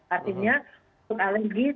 artinya untuk alergi tentu kita harus mengajarkan